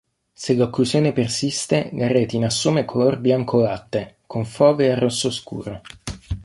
Se l'occlusione persiste la retina assume color bianco latte, con fovea rosso scuro.